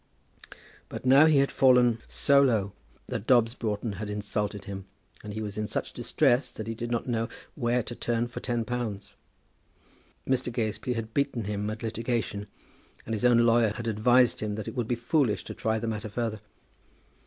But now he had fallen so low that Dobbs Broughton had insulted him, and he was in such distress that he did not know where to turn for ten pounds. Mr. Gazebee had beaten him at litigation, and his own lawyer had advised him that it would be foolish to try the matter further.